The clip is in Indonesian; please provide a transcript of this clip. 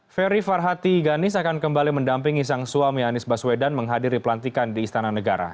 ferry farhati ganis akan kembali mendampingi sang suami anies baswedan menghadiri pelantikan di istana negara